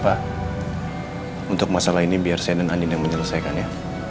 pak untuk masalah ini biar saya dan andin yang menyelesaikan ya